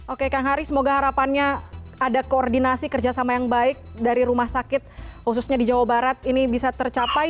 oke kang hari semoga harapannya ada koordinasi kerjasama yang baik dari rumah sakit khususnya di jawa barat ini bisa tercapai